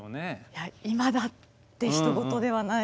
いや今だってひと事ではないですね。